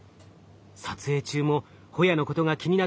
撮影中もホヤのことが気になってしかたない様子です。